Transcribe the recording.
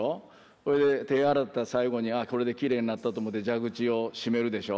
それで手洗った最後にこれできれいになったと思って蛇口を締めるでしょ。